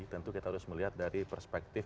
tentu kita harus melihat dari perspektif